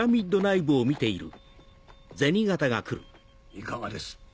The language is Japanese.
いかがです？